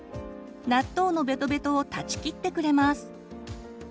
納豆のベトベトを断ち切ってくれます。